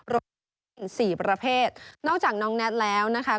สี่ประเภทนอกจากน้องแน็ตแล้วนะคะ